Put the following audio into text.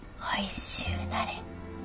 おいしゅうなれ。